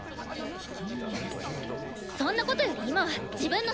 そんなことより今は自分の心配！